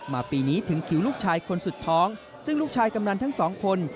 ปีนี้ถึงคิวลูกชายคนสุดท้องซึ่งลูกชายกำนันทั้งสองคน